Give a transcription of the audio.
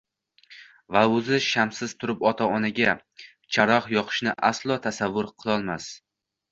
va o’zi shamsiz turib ota-onaga charog’ yoqishni aslo tasavvur qilolmas